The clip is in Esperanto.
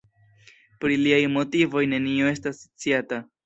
Pri liaj motivoj nenio estas sciata.